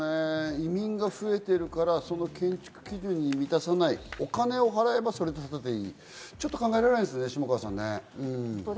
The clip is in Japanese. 移民が増えてるから、その建築基準に満たさない、お金を払えば、それで建てていい、考えられないですね、下川さん。